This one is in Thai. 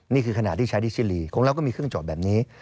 นี่คือขณะที่ใช้ดิชิลีของเราก็มีเครื่องจอดแบบนี้